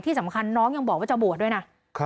สำคัญน้องยังบอกว่าจะบวชด้วยนะ